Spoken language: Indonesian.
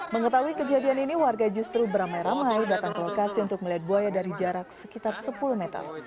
mengetahui kejadian ini warga justru beramai ramai datang ke lokasi untuk melihat buaya dari jarak sekitar sepuluh meter